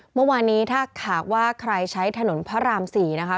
เมื่อวานนี้ถ้าหากว่าใครใช้ถนนพระราม๔นะคะ